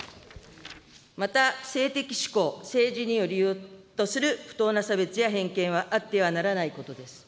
また性的指向、政治による不当な差別や偏見はあってはならないことです。